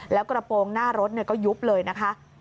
แล้วกระโปรงหน้ารถก็ยุบเลยนะคะ